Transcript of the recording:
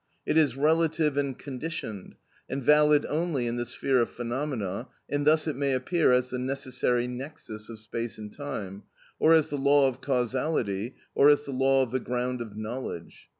It is relative and conditioned, and valid only in the sphere of phenomena, and thus it may appear as the necessary nexus of space and time, or as the law of causality, or as the law of the ground of knowledge.